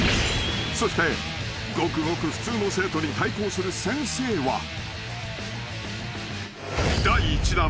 ［そしてごくごく普通の生徒に対抗する先生は］